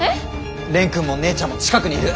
蓮くんも姉ちゃんも近くにいる！